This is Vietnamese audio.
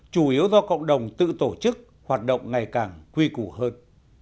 chủ yếu do cộng đồng tự tổ chức hoạt động ngày càng quy củ hơn